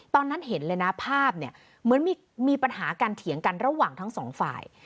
ตอนนั้นเห็นเลยนะภาพเนี่ยเหมือนมีปัญหาการเถียงกันระหว่างทั้งสองฝ่าย